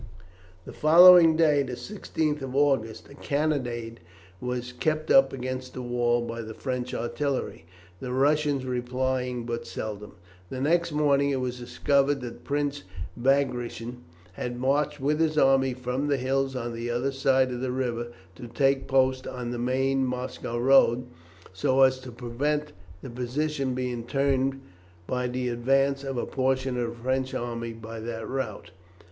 The following day, the 16th of August, a cannonade was kept up against the walls by the French artillery, the Russians replying but seldom. The next morning it was discovered that Prince Bagration had marched with his army from the hills on the other side of the river to take post on the main Moscow road so as to prevent the position being turned by the advance of a portion of the French army by that route.